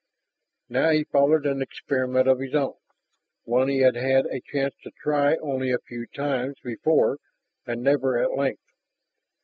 Now he followed an experiment of his own, one he had had a chance to try only a few times before and never at length.